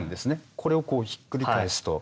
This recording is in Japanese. これをこうひっくり返すと。